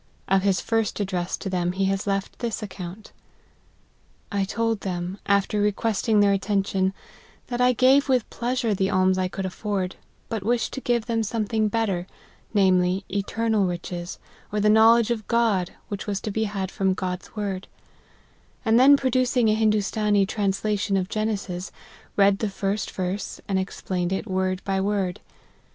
Of his first address to them he has left this ac count :" I told them, after requesting their attention, that I gave with pleasure the alms I could afford, but wished to give them something better, namely, eternal riches, or the knowledge of God, which was to be had from God's word ; and then produc ing a Hindoostanee translation of Genesis, read the first verse, and explained it word by word.